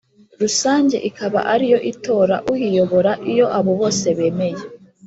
Rusange ikaba ariyo itora uyiyobora Iyo abo bose bemeye